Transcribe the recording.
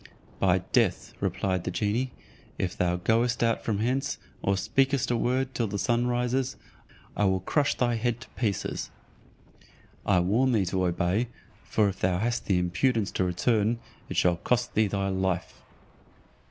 "By death," replied the genie; "if thou goest out from hence, or speakest a word till the sun rises, I will crush thy head to pieces. I warn thee to obey, for if thou hast the impudence to return, it shall cost thee thy life."